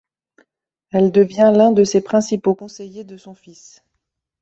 Elle devient l'un de ses principaux conseiller de son fils.